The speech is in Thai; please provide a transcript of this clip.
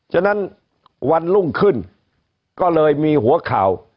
ฉะนั้นวันรุ่งขึ้นก็เลยมีหัวข่าว